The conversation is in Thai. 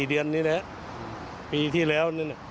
ปีเดือนนี้แหละปีที่แล้วนึง